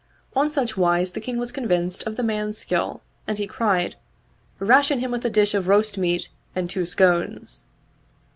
On such wise the King was convinced of the man's skill and he cried, " Ration him with a dish of roast meat and two scones."